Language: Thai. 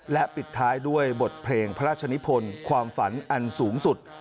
และปิดท้ายด้วยบทเพลงพระราชนิพลความฝันอันสูงสุด